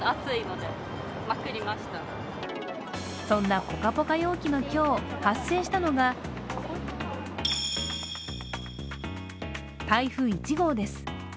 そんなポカポカ陽気の今日、発生したのが台風１号です。